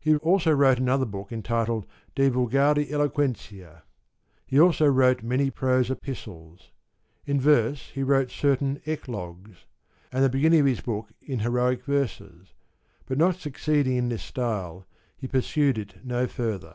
He also wrote another book entitled De Vulgari Eloquentia. He also wrote many prose Epistles. In verse he wrote certain Eclogues \ and the beginning of his book, in heroic verses ; but not succeeding in this style he pursued it no further.